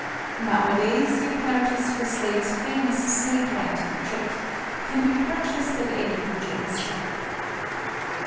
Nowadays the apparatus for Slade's famous slate writing trick can be purchased at any conjurer's shop.